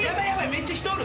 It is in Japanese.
めっちゃ人おる。